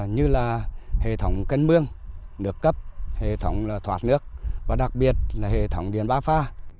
nước cấp hệ thống thoát nước và đặc biệt là hệ thống điện bác pha